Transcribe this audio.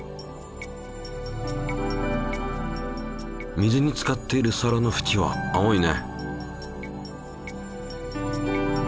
水につかっている皿のふちは青いね。